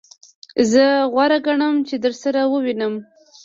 زه غوره ګڼم چی درسره ووینم.